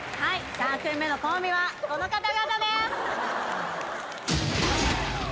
「３組目のコンビはこの方々です」